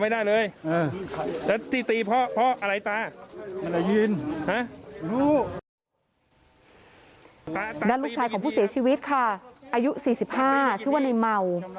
ด้านลูกชายของผู้เสียชีวิตค่ะอายุสี่สิบห้าชื่อว่าเนมัว